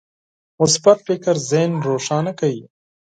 مثبت فکر ذهن روښانه کوي.